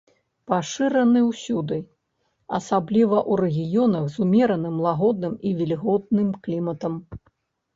Пашыраны ўсюды, асабліва ў рэгіёнах з умераным, лагодным і вільготным кліматам.